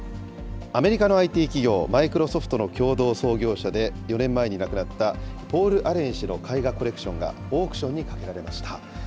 アメリカのＩＴ企業、マイクロソフトの共同創業者で、４年前に亡くなったポール・アレン氏の絵画コレクションがオークションにかけられました。